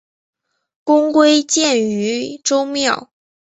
公归荐于周庙。